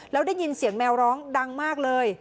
แล้วได้ยินเสียงแมวร้องดังมากเลย